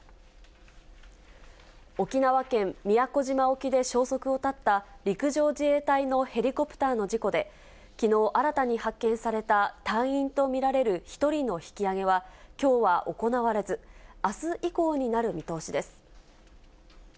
沖縄県宮古島沖で消息を絶った陸上自衛隊のヘリコプターの事故で、きのう、新たに発見された隊員と見られる１人の引き揚げは、きょうは行われず、あす以降になる見通しです。